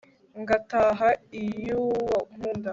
ngataha iy'uwo nkunda